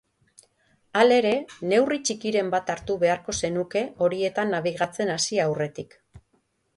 Halere, neurri txikiren bat hartu beharko zenuke horietan nabigatzen hasi aurretik.